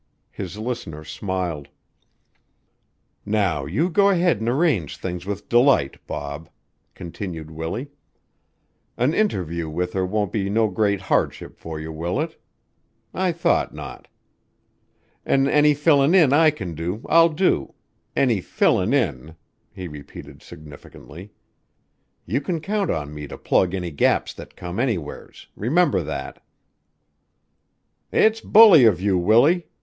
His listener smiled. "Now you go ahead an' arrange things with Delight, Bob," continued Willie. "An interview with her won't be no great hardship for you, will it? I thought not. An' any fillin' in I can do, I'll do any fillin' in," he repeated significantly. "You can count on me to plug any gaps that come anywheres remember that." "It's bully of you, Willie!"